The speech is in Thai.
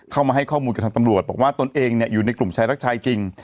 เข้ามาให้ข้อมูลกับทางตำรวจบอกว่าตนเองอยู่ในกลุ่มชายรักชายจริง